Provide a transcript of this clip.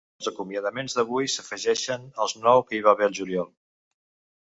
Els acomiadaments d’avui s’afegeix als nou que hi va haver al juliol.